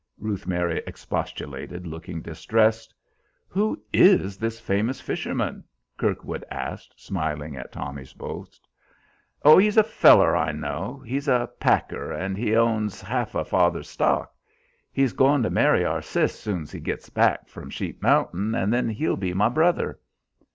Ruth Mary expostulated, looking distressed. "Who is this famous fisherman?" Kirkwood asked, smiling at Tommy's boast. "Oh, he's a feller I know. He's a packer, and he owns ha'f o' father's stock. He's goin' to marry our Sis soon's he gits back from Sheep Mountain, and then he'll be my brother."